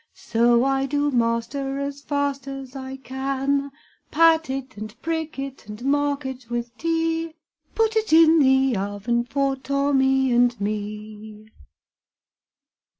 So I do, master, as fast as I can: Pat it, and prick it, and mark it with T, Put it in the oven for Tommy and me.